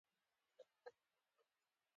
په سپین رنګ ښودل شوي هېوادونه، شتمن دي.